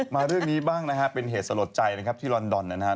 มาเรื่องนี้บ้างนะครับเป็นเหตุสรโกรธใจที่ลอนดอนนะครับ